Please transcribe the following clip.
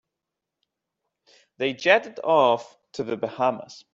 They jetted off to the Bahamas.